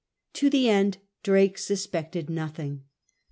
To the end Drake suspected nothing.